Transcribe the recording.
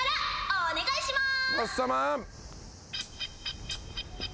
お願いします。